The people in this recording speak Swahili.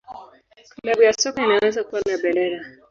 Klabu ya soka inaweza kuwa na bendera.